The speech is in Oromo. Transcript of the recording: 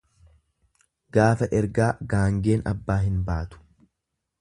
Gaafa ergaa gaangeen abbaa hin baatu.